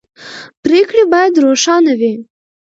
پرېکړې باید روښانه وي